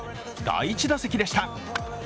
第１打席でした。